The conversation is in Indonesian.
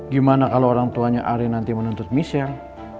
gimana kalau orang tuanya ari nanti menuntut michelle